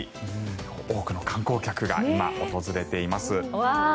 多くの観光客が今、訪れています。